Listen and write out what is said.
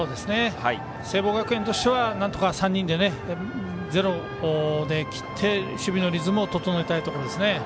聖望学園としてはなんとか３人でゼロできて、守備のリズムを整えたいところですね。